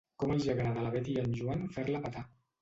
Com els hi agrada a la Betty i en Joan fer-la petar.